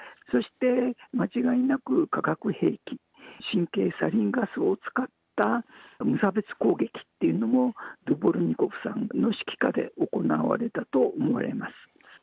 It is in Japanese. そして間違いなく、化学兵器、神経サリンガスを使った無差別攻撃っていうのもドボルニコフさんの指揮下で行われたと思われます。